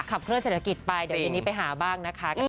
ขับเคลื่อนเศรษฐกิจไปเดี๋ยวเยนิไปหาบ้าง